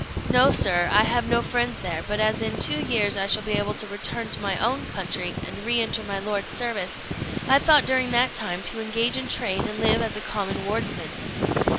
"No, sir, I have no friends there; but as in two years I shall be able to return to my own country, and re enter my lord's service, I thought during that time to engage in trade and live as a common wardsman."